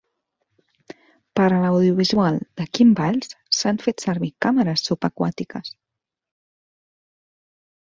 Per a l'audiovisual de Quim Valls s'han fet servir càmeres subaquàtiques.